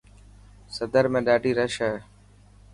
سدر ۾ ڏاڌي رش هي.